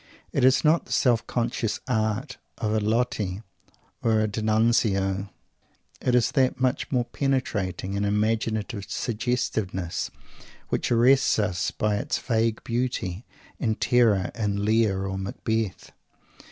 It is not the self conscious art of a Loti or a D'Annunzio; it is that much more penetrating and imaginative suggestiveness which arrests us by its vague beauty and terror in Lear or Macbeth.